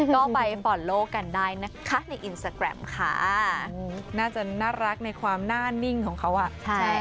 ก็ไปฟอร์นโลกกันได้นะคะในอินสตาแกรมค่ะน่าจะน่ารักในความหน้านิ่งของเขาอ่ะใช่